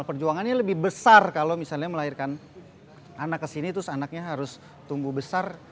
perjuangannya lebih besar kalau misalnya melahirkan anak kesini terus anaknya harus tumbuh besar